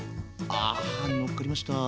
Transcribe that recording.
ああのっかりました。